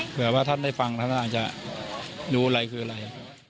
เผื่อว่าท่านได้ฟังท่านอาจจะดูอะไรคืออะไร